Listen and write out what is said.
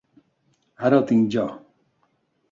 Ara el tinc jo.